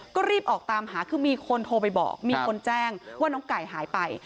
ก็รีบออกตามหาคือมีคนโทรไปบอกมีคนแจ้งว่าน้องไก่หายไป